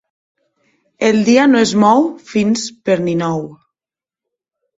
El dia no es mou fins per Ninou.